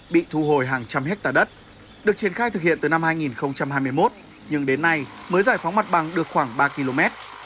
bị thu hồi hàng trăm hectare đất được triển khai thực hiện từ năm hai nghìn hai mươi một nhưng đến nay mới giải phóng mặt bằng được khoảng ba km